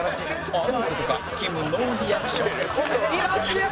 あろう事かきむノーリアクション